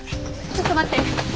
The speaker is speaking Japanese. ちょっと待って。